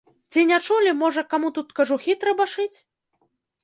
Ці не чулі, можа, каму тут кажухі трэба шыць?